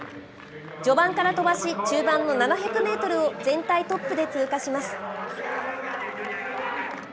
序盤から飛ばし、中盤の７００メートルを全体トップで通過します。